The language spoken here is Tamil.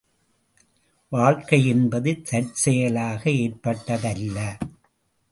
வாழ்க்கை என்பது தற்செயலாக ஏற்பட்டதல்ல.